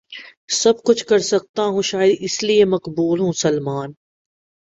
سب کچھ کرسکتا ہوں شاید اس لیے مقبول ہوں سلمان